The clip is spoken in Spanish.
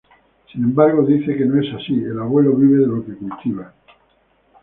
Sin embargo dice que no es así, el abuelo vive de lo que cultiva.